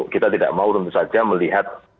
kita tidak mau tentu saja melihat